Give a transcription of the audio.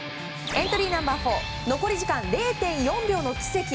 エントリーナンバー４残り時間０．４秒の奇跡。